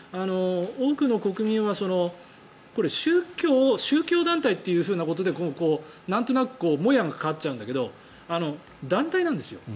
多くの国民は宗教団体というふうなことでなんとなくもやがかかっちゃうんだけど団体なんですよ。